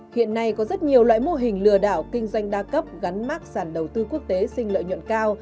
hiện nay có rất nhiều loại mô hình lừa đảo kinh doanh đa cấp gắn mát sản đầu tư quốc tế sinh lợi nhuận cao